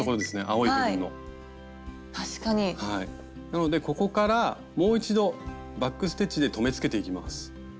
なのでここからもう一度バック・ステッチで留めつけていきます。